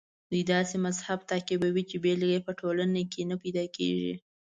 دوی داسې مذهب تعقیبوي چې بېلګه یې په ټوله نړۍ کې نه پیدا کېږي.